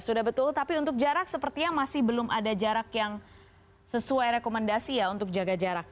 sudah betul tapi untuk jarak sepertinya masih belum ada jarak yang sesuai rekomendasi ya untuk jaga jarak